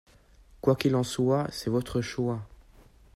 Quoi qu’il en soit, c’est votre choix.